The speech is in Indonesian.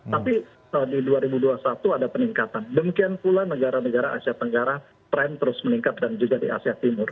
tapi di dua ribu dua puluh satu ada peningkatan demikian pula negara negara asia tenggara trend terus meningkat dan juga di asia timur